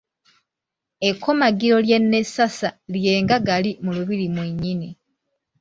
Ekkomagiro lye n'essasa lye nga gali mu Lubiri mwennyini.